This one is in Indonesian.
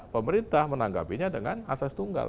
pemerintah menanggapinya dengan asas tunggal